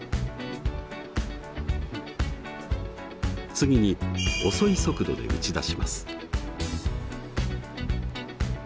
次に遅い速度で打ち出します。